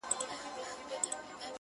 د بشريت له روحه وباسه ته.